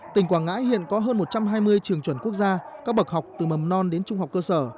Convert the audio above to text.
tỉnh quảng ngãi hiện có hơn một trăm hai mươi trường chuẩn quốc gia các bậc học từ mầm non đến trung học cơ sở